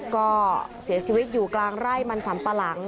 ก็เสียชีวิตอยู่กลางไร่มันสัมปะหลัง